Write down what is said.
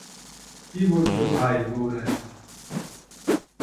কী বলছ ভাই বউরানী?